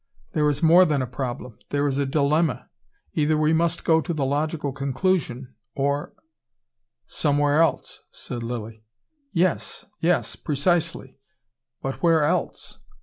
There is more than a problem, there is a dilemma. Either we must go to the logical conclusion or " "Somewhere else," said Lilly. "Yes yes. Precisely! But where ELSE?